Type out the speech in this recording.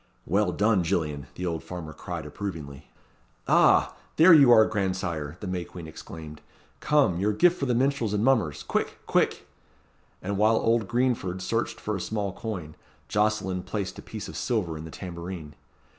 "Well done, Gillian," the old farmer cried approvingly. "Ah! are you there, grandsire!" the May Queen exclaimed. "Come! your gift for the minstrels and mummers quick! quick!" And while old Greenford searched for a small coin, Jocelyn placed a piece of silver in the tambourine.